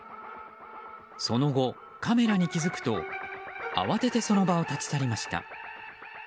その後カメラに気付くと慌ててその場を立ち去りました。